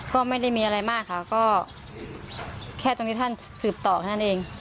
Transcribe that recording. ก็ไม่ได้มีอะไรมากค่ะก็แค่ตรงนี้ท่านสืบต่อเท่านั้นเอง